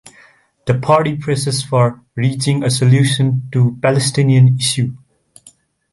The party presses for reaching a solution to the Palestinian issue.